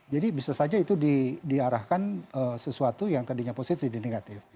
jadi bisa saja itu diarahkan sesuatu yang tadinya positif dan negatif